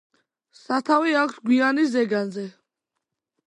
სათავე აქვს გვიანის ზეგანზე.